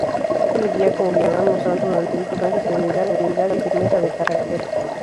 Tanto Leguía como Villarán mostraron durante dicho trance serenidad y firmeza de carácter.